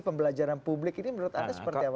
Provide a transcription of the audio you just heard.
pembelajaran publik ini menurut anda seperti apa